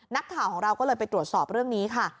นักข่าวของเราก็เลยไปตรวจสอบเรื่องนี้ค่ะ